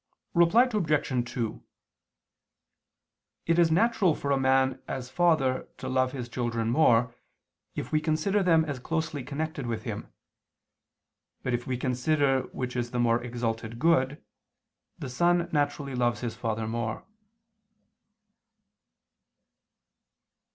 Reply Obj. 2: It is natural for a man as father to love his children more, if we consider them as closely connected with him: but if we consider which is the more exalted good, the son naturally loves his father more.